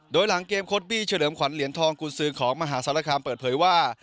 โดยหลังเกมโค้ดบี้เฉลิมขวัญเหรียญทองกุญสือของมหาศาลคามเปิดเผยว่า